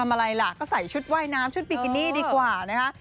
อะไรล่ะก็ใส่ชุดว่ายน้ำชุดบิกินี่ดีกว่านะคะ